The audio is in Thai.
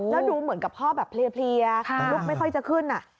แล้วดูเหมือนกับพ่อแบบเพลียลุกไม่ค่อยจะขึ้น